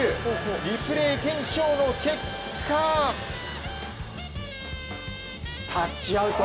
リプレー検証の結果タッチアウト。